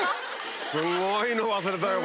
すごいの忘れたよ